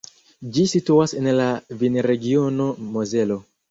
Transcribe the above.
Ĝi situas en la vinregiono Mozelo.